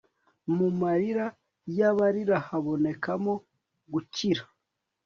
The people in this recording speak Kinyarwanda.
mu marira y'abarira habonekamo gukira